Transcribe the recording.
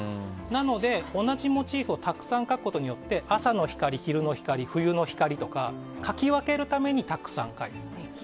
なので同じモチーフをたくさん描くことによって朝の光、昼の光、冬の光とか描き分けるためにたくさん描いたと。